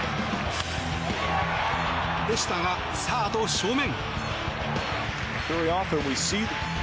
でしたが、サード正面。